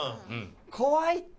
怖いって！